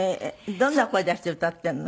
どんな声出して歌ってるの？